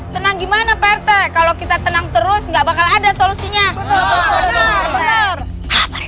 tenang gimana kalau kita tenang terus nggak bakal ada solusinya